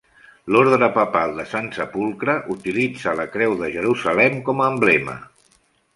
L'Ordre papal del Sant Sepulcre utilitza la creu de Jerusalem com a emblema.